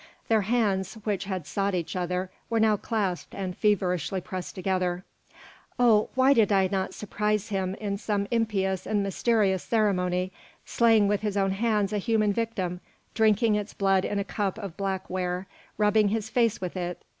Their hands, which had sought each other, were now clasped and feverishly pressed together. "Oh, why did I not surprise him in some impious and mysterious ceremony, slaying with his own hands a human victim, drinking its blood in a cup of black ware, rubbing his face with it?